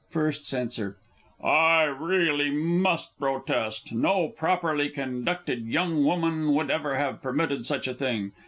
First Censor. I really must protest. No properly conducted young woman would ever have permitted such a thing.